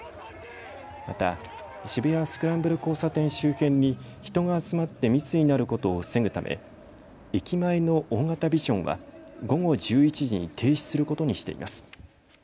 また渋谷スクランブル交差点周辺に人が集まって密になることを防ぐため駅前の大型ビジョンは午後１１時に停止することにしています。